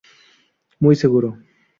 Muy seguro.